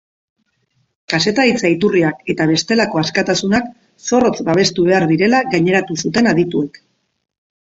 Kazetaritza iturriak eta bestelako askatasunak zorrotz babestu behar direla gaineratu zuten adituek.